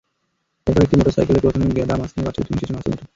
এরপর একটি মোটরসাইকেলে প্রথমে গেদা, মাঝখানে বাচ্চাটি এবং শেষে মাসুম ওঠে।